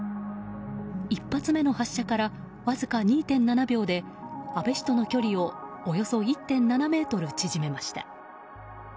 １発目の発射からわずか２．７秒で安倍氏との距離をおよそ１．７ｍ縮めました。